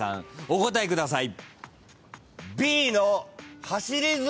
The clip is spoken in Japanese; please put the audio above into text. お答えください。